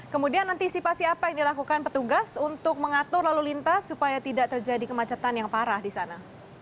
kemudian antisipasi apa yang dilakukan petugas untuk mengatur lalu lintas supaya tidak terjadi kemacetan yang parah di sana